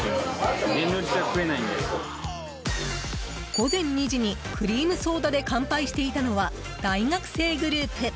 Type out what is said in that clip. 午前２時にクリームソーダで乾杯していたのは大学生グループ。